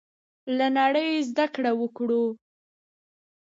له نړۍ زده کړه وکړو.